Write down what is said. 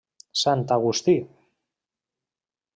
Sant Agustí.